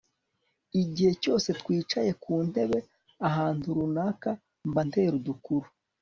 igihe cyose twicaye ku ntebe ahantu runaka mba ntera udukuru